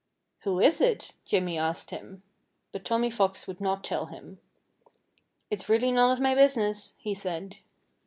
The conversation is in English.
"Who is it?" Jimmy asked him. But Tommy Fox would not tell him. "It's really none of my business," he said.